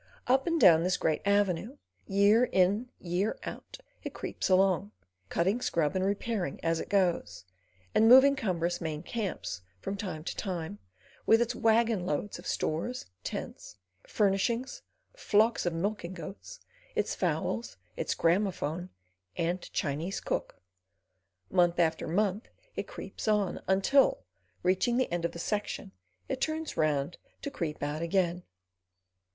Up and down this great avenue, year in year out it creeps along, cutting scrub and repairing as it goes, and moving cumbrous main camps from time to time, with its waggon loads of stores, tents, furnishings, flocks of milking goats, its fowls, its gramophone, and Chinese cook. Month after month it creeps on, until, reaching the end of the section, it turns round to creep out again.